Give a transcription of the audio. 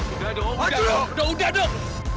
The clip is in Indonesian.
udah doh udah doh